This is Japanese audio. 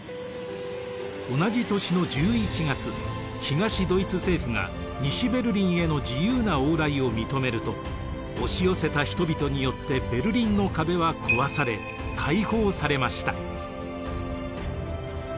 同じ年の１１月東ドイツ政府が西ベルリンへの自由な往来を認めると押し寄せた人々によってベルリンの壁は壊され開放されました。